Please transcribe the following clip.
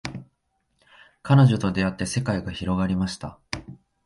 彼女と出会って世界が広がりました